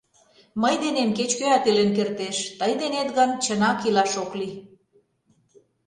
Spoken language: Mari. Мый денем кеч-кӧат илен кертеш, тый денет гын, чынак илаш ок лий.